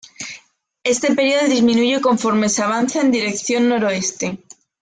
Este periodo disminuye conforme se avanza en dirección noreste.